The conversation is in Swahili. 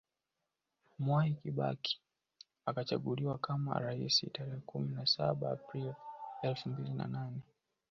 Mwai Kibaki akachaguliwa kama rais Tarehe kumi na saba Aprili elfu mbili na nane